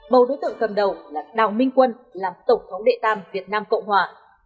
bầu đối tượng cầm đầu là đào minh quân làm tổng thống đệ tam việt nam cộng hòa